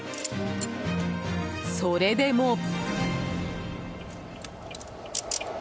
それでも。